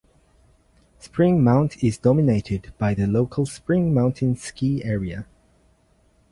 Spring Mount is dominated by the local Spring Mountain Ski Area.